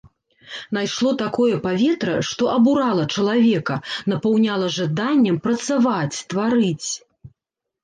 Найшло такое паветра, што абурала чалавека, напаўняла жаданнем працаваць, тварыць.